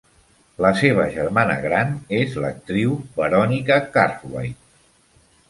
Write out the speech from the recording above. La seva germana gran és l'actriu Veronica Cartwright.